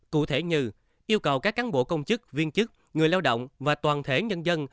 cụ thể như yêu cầu các cán bộ công chức viên chức người lao động và toàn thể nhân dân